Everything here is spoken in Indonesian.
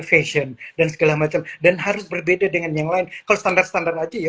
fashion dan segala macam dan harus berbeda dengan yang lain kalau standar standar aja ya